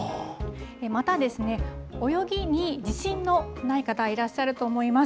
またですね、泳ぎに自信のない方いらっしゃると思います。